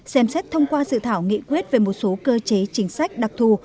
xem xét thông qua dự thảo nghị quyết về một số cơ chế chính sách đặc thù